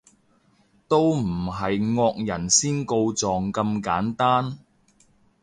都唔係惡人先告狀咁簡單